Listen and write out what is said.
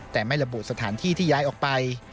แต่ไม่ระบุสถานที่ที่ย้ายออกไป